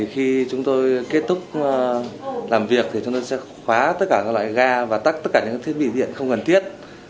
khi chúng tôi kết thúc làm việc thì chúng tôi sẽ khóa tất cả các loại ga và tắt tất cả những thiết bị điện không cần thiết